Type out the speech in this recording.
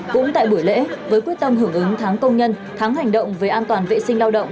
cũng tại buổi lễ với quyết tâm hưởng ứng tháng công nhân tháng hành động về an toàn vệ sinh lao động